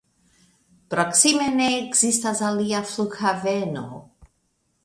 Proksime ne ekzistas alia flughaveno.